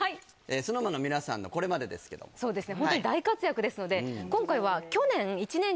ＳｎｏｗＭａｎの皆さんのこれまでですけどもそうですね